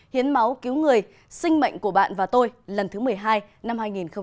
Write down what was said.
hiến máu cứu người sinh mệnh của bạn và tôi lần thứ một mươi hai năm hai nghìn hai mươi